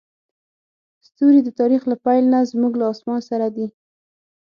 ستوري د تاریخ له پیل نه زموږ له اسمان سره دي.